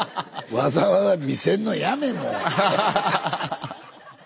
わざわざ見せんのやめもう。